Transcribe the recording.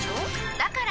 だから！